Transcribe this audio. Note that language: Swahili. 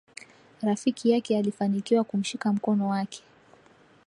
rafiki yake alifanikiwa kumshika mkono wake